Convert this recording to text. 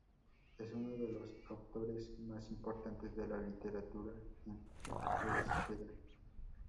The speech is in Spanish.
Es uno de los autores más importantes de la literatura en euskera.